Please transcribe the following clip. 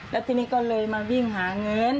แล้วทีนี้ก็เลยมาวิ่งหาเงิน